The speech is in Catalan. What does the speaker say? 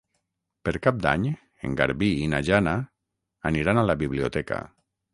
Per Cap d'Any en Garbí i na Jana aniran a la biblioteca.